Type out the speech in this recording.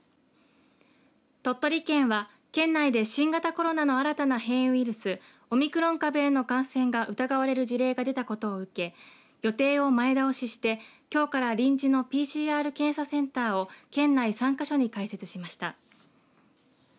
鳥取県は県内で新型コロナの新たな変異ウイルスオミクロン株への感染が疑われる事例が出たことを受けて予定を前倒しして、きょうから臨時のＰＣＲ検査センターを県内３か所に開設しました。